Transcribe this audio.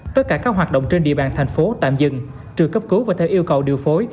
tất cả các hoạt động trên địa bàn thành phố tạm dừng trừ cấp cứu và theo yêu cầu điều phối